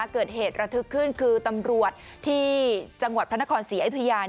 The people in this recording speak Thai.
เกิดเหตุระทึกขึ้นคือตำรวจที่จังหวัดพระนครศรีอยุธยา